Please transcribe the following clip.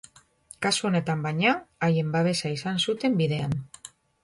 Kasu honetan, baina, haien babesa izan zuten bidean.